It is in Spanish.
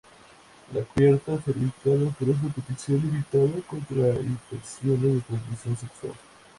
La cubierta cervical ofrece protección limitada contra infecciones de transmisión sexual.